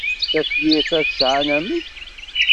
Tafyirt-a tesɛa anamek?